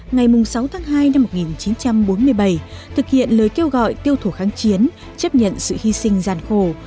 ngày sáu tháng hai năm một nghìn chín trăm bốn mươi bảy thực hiện lời kêu gọi tiêu thủ kháng chiến chấp nhận sự hy sinh gian khổ tàm đào được lấy làm đất căn cứ xây dựng thành hậu phường vững chắc